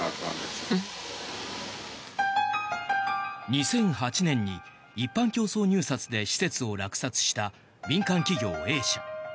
２００８年に一般競争入札で施設を落札した民間企業Ａ社。